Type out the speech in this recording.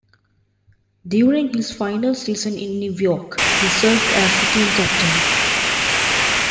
During his final season in New York, he served as the team captain.